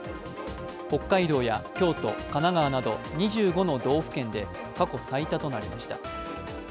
北海道や京都、神奈川など２５の道府県で過去最多となりました。